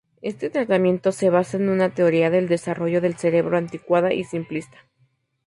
Este tratamiento se basa en una teoría del desarrollo del cerebro anticuada y simplista.